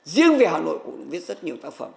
riêng về hà nội cũng viết rất nhiều tác phẩm